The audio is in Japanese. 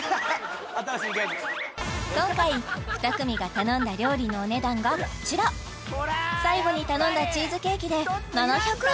今回２組が頼んだ料理のお値段がこちら最後に頼んだチーズケーキで７００円